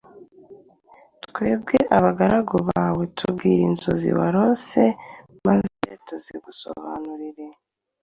Twebwe abagaragu bawe tubwire inzozi warose maze tuzigusobanurire